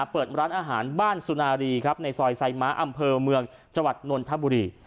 เปิดร้านอาหารบ้านสุนารีครับในซอยไซม้าอำเภอเมืองจังหวัดนนทบุรี